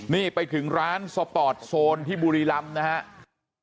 นี่ไปถึงร้านสปอร์ตโซนที่บุรีรำนะครับ